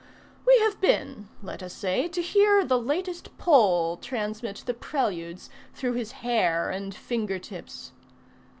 We have been, let us say, to hear the latest Pole Transmit the Preludes, through his hair and finger tips.